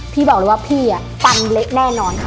พี่บอกเลยว่าพี่ปันเละแน่นอนค่ะ